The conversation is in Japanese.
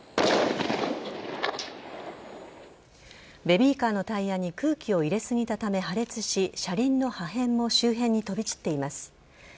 ベビーカーのタイヤに空気を入れすぎたため破裂し車輪の破片も周辺に飛び散っています。